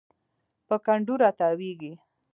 په کنډو راتاویږي